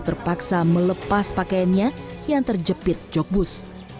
terpaksa melepas pakaiannya yang terjepit jogbus